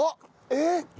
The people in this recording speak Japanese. えっ！